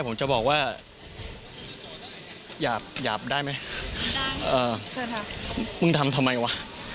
ผมจะบอกว่าหยาบหยาบได้ไหมมึงทำทำไมวะ